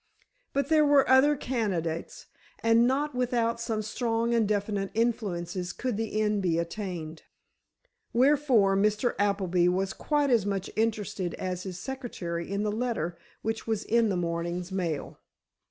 But there were other candidates, and not without some strong and definite influences could the end be attained. Wherefore, Mr. Appleby was quite as much interested as his secretary in the letter which was in the morning's mail.